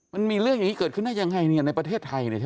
มันมีเรื่องอย่างนี้เกิดขึ้นได้ยังไงในประเทศไทย